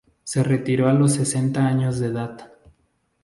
Se retiró a los sesenta años de edad.